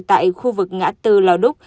tại khu vực ngã tư lào đúc